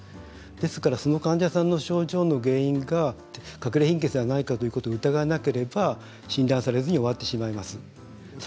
ですから、その患者さんの症状の原因がかくれ貧血ではないかと疑わなければ診断されずに終わってしまいます。